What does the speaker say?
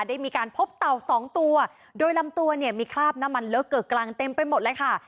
ได้มีการพบเต่าสองตัวโดยลำตัวเนี่ยมีคราบน้ำมันเลอะเกอะกลางเต็มไปหมดเลยค่ะ